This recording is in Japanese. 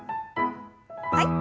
はい。